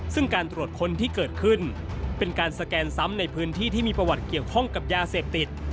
ซึ่งการตรวจค้นที่เกิดขึ้นเป็นการสแกนซ้ำในพื้นที่ที่มีประวัติเกี่ยวข้องกับยาเสพติด